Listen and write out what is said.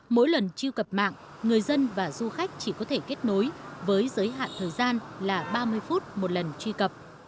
mỗi lần truy cập mạng người dân và du khách chỉ có thể kết nối với giới hạn thời gian là ba mươi phút một lần truy cập